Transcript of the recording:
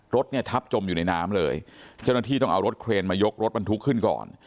รถเนี่ยทับจมอยู่ในน้ำเลยเจ้าหน้าที่ต้องเอารถเครนมายกรถบรรทุกขึ้นก่อน